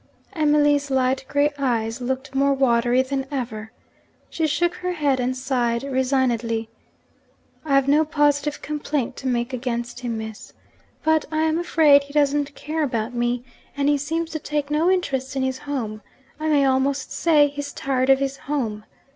Emily's light grey eyes looked more watery than ever. She shook her head and sighed resignedly. 'I have no positive complaint to make against him, Miss. But I'm afraid he doesn't care about me; and he seems to take no interest in his home I may almost say he's tired of his home.